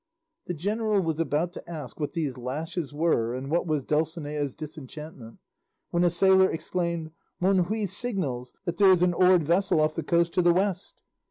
The general was about to ask what these lashes were, and what was Dulcinea's disenchantment, when a sailor exclaimed, "Monjui signals that there is an oared vessel off the coast to the west."